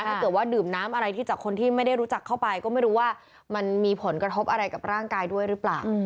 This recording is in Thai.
ถ้าเกิดว่าดื่มน้ำอะไรที่จากคนที่ไม่ได้รู้จักเข้าไปก็ไม่รู้ว่ามันมีผลกระทบอะไรกับร่างกายด้วยหรือเปล่า